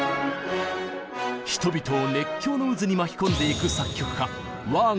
人々を熱狂の渦に巻き込んでいく作曲家あ